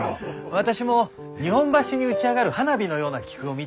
私も日本橋に打ち上がる花火のような菊を見たことがございます。